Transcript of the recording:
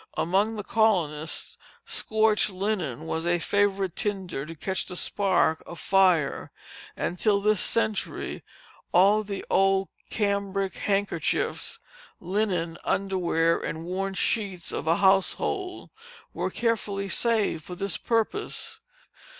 Among the colonists scorched linen was a favorite tinder to catch the spark of fire; and till this century all the old cambric handkerchiefs, linen underwear, and worn sheets of a household were carefully saved for this purpose.